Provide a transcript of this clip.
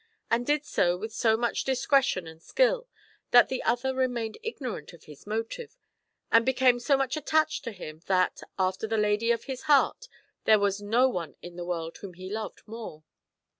145 and did so with so much discretion and skill, that the other remained ignorant of his motive, and became so much attached to him that, after the lady of his heart, there was no one in the world whom he loved more.